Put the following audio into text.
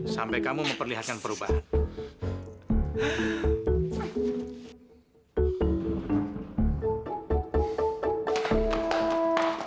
sampai kamu memperlihatkan perubahan